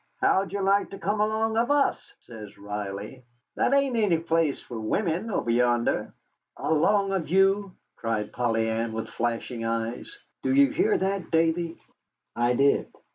"How'd you like to come along of us," says Riley; "that ain't any place for wimmen, over yonder." "Along of you!" cried Polly Ann, with flashing eyes. "Do you hear that, Davy?" I did.